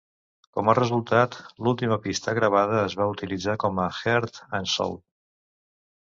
Com a resultat, l'última pista gravada es va utilitzar com a "Heart and Soul".